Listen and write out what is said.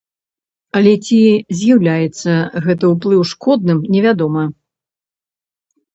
Але ці з'яўляецца гэты ўплыў шкодным, невядома.